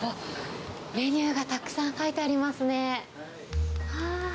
メニューがたくさん書いてありますね。